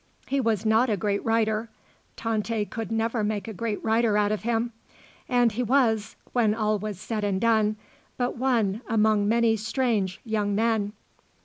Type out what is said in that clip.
He was not a great writer; Tante could never make a great writer out of him. And he was, when all was said and done, but one among many strange young men.